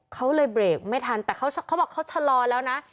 เขาเลยเบรกไม่ทันแต่เขาบอกเขาชะลอแล้วนะ